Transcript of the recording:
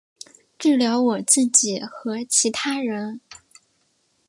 治疗我自己和其他人